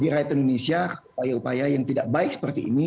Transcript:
di rakyat indonesia upaya upaya yang tidak baik seperti ini